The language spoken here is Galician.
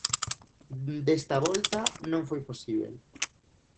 Desta volta, non foi posíbel.